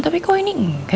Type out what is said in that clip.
tapi kok ini nggak ya